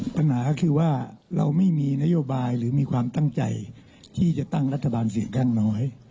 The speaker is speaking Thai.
ปัญหาคือว่าเราไม่มีนโยบายหรือมีความตั้งใจที่จะตั้งรัฐบาลเสียงข้างน้อย